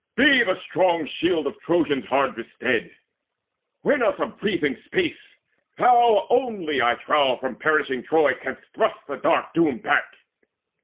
Be the strong shield of Trojans hard bestead: Win us a breathing space. Thou only, I trow, From perishing Troy canst thrust the dark doom back."